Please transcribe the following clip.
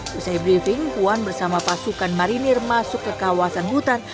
setelah briefing puan bersama pasukan marinir masuk ke kawasan hutan